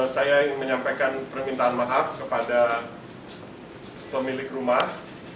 saya menyampaikan permintaan maaf kepada pemilik rumah